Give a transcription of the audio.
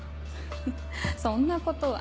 フッそんなことは。